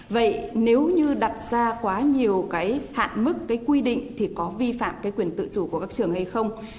vậy nếu như đặt ra quá nhiều cái hạn mức cái quy định thì có vi phạm cái quyền tự chủ của các trường hay không